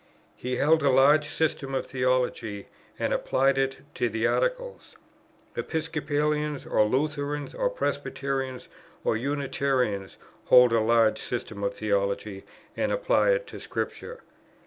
He held a large system of theology, and applied it to the Articles: Episcopalians, or Lutherans, or Presbyterians, or Unitarians, hold a large system of theology and apply it to Scripture.